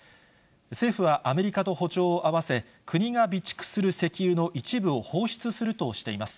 政府はアメリカと歩調を合わせ、国が備蓄する石油の一部を放出するとしています。